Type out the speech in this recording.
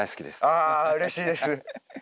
あうれしいです。